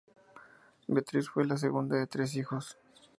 Beatriz fue la segunda de tres hijos.